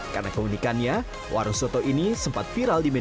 karena keunikannya warung soto ini sempat viral diberikan